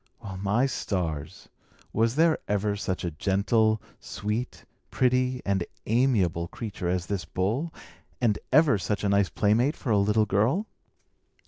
Well, my stars! was there ever such a gentle, sweet, pretty, and amiable creature as this bull, and ever such a nice playmate for a little girl?